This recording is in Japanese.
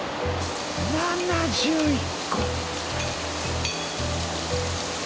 ７１個！